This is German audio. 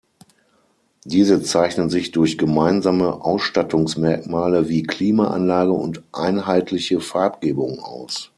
Diese zeichnen sich durch gemeinsame Ausstattungsmerkmale wie Klimaanlage und einheitliche Farbgebung aus.